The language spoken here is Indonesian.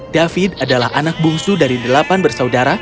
david adalah anak bungsu dari delapan bersaudara